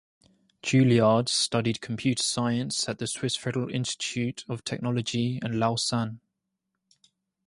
Julliard studied computer science at the Swiss Federal Institute of Technology in Lausanne.